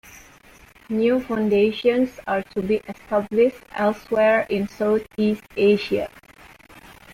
New foundations are to be established elsewhere in South East Asia.